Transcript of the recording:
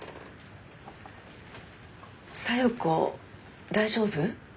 小夜子大丈夫？